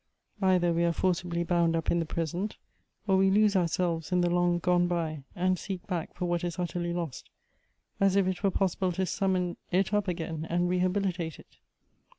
Either we are forcibly bound up in the present, or we lose ourselves in the long gone by, and seek back for what is utterly lost, as if it were possible to summon it up again, and rehabilitate it.